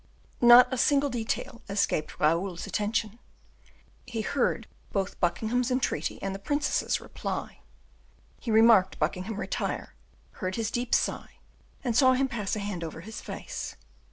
Not a single detail escaped Raoul's attention; he heard both Buckingham's entreaty and the princess's reply; he remarked Buckingham retire, heard his deep sigh, and saw him pass a hand over his face.